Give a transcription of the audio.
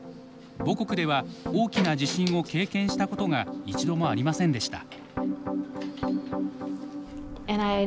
母国では大きな地震を経験したことが一度もありませんでした。